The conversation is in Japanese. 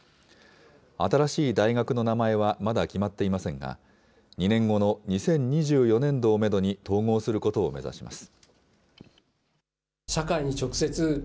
新しい大学の名前はまだ決まっていませんが、２年後の２０２４年度をメドに統合することを目指します。